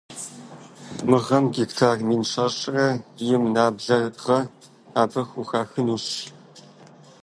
Мы гъэм гектар мин щэщӏрэ им нэблагъэ абы хухахынущ.